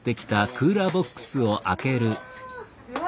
うわ。